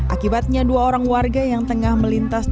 akibatnya dua orang warga yang berada di dalam tembok rumah tersebut